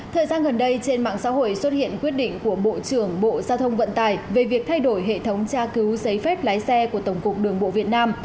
thời gian gần đây trên mạng xã hội xuất hiện quyết định của bộ trưởng bộ giao thông vận tải về việc thay đổi hệ thống tra cứu giấy phép lái xe của tổng cục đường bộ việt nam